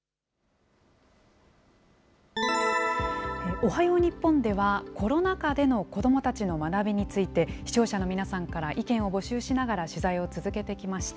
おはよう日本では、コロナ禍での子どもたちの学びについて、視聴者の皆さんから意見を募集しながら、取材を続けてきました。